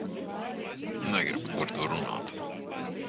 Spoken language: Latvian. Negribu par to runāt.